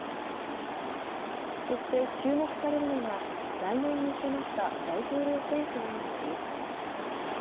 そして注目されるのが来年に迫った大統領選挙への影響。